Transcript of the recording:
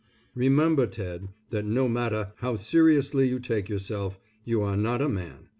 Remember Ted that no matter how seriously you take yourself, you are not a man.